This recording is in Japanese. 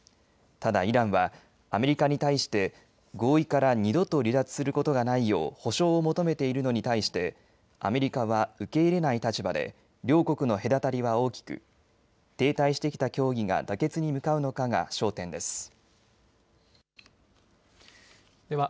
ただ、イランはアメリカに対して、合意から二度と離脱することがないよう保証を求めているのに対して、アメリカは受け入れない立場で、両国の隔たりは大きく、停滞してきた協議が妥結に向かうのかが焦点です。